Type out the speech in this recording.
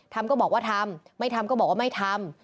ทำก็บอกว่าทำไม่ทำก็บอกว่าไม่ทำ